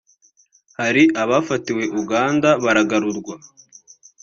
Hari abafatiwe Uganda baragarurwa